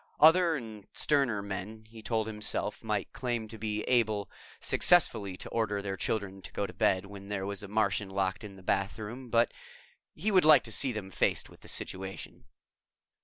Other and sterner men, he told himself, might claim to be able successfully to order their children to go to bed when there was a Martian locked in the bathroom, but he would like to see them faced with the situation.